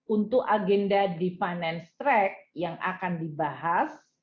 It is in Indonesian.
untuk agenda di finance track yang akan dibahas